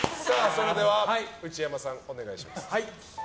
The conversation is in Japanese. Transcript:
それでは内山さんお願いします。